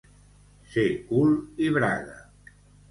Ser cul i braga.